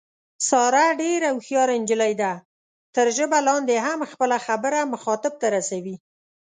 ساره ډېره هوښیاره نجیلۍ ده، تر ژبه لاندې هم خپله خبره مخاطب ته رسوي.